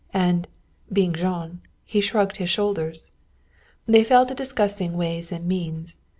And being Jean he shrugged his shoulders. They fell to discussing ways and means.